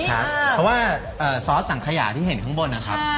ครับเพราะว่าเอ่อซอสสั่งขยะที่เห็นข้างบนนะครับ